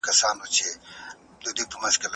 د ښار دروازې د هغه په غږ پرانیستل شوې.